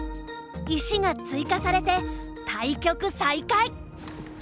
石が追加されて対局再開。